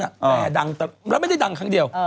แต่ดังแล้วไม่ได้ดังครั้งเดียว